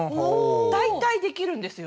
大体できるんですよね。